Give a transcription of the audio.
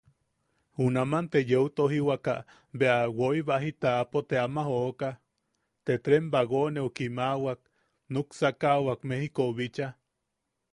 Junaman te yeu tojiwaka bea woi baji taʼapo te ama joka, te tren bagoneu kimaʼawak, nuksakaʼawak Mejikou bicha.